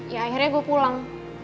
ya akhirnya gua pulang